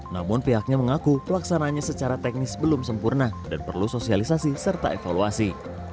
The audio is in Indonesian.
namun pihaknya mengaku pelaksananya secara teknis belum sempurna dan perlu sosialisasi serta evaluasi